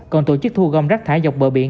còn tổ chức thu gom rác thải dọc bờ biển